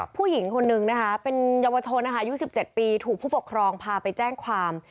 ผู้หญิงคนนึงนะคะเป็นเยาวชนนะคะอายุ๑๗ปีถูกผู้ปกครองพาไปแจ้งความ